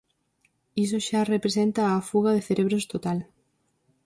Iso xa representa a fuga de cerebros total!